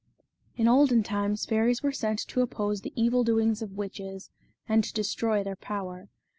IN olden times fairies were sent to oppose the evil doings of witches, and to destroy their power.